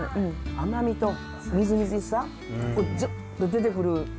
甘みとみずみずしさジュッと出てくる。